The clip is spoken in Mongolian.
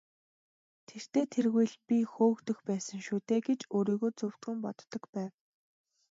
Тэртэй тэргүй л би хөөгдөх байсан шүү дээ гэж өөрийгөө зөвтгөн боддог байв.